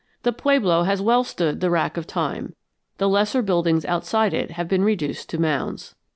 The pueblo has well stood the rack of time; the lesser buildings outside it have been reduced to mounds.